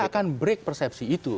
kita akan break persepsi itu